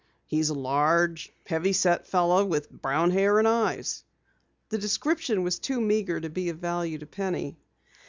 He's a large, heavy set fellow with brown hair and eyes." The description was too meagre to be of value to Penny.